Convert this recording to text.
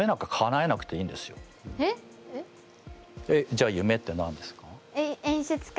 じゃあ夢って何ですか？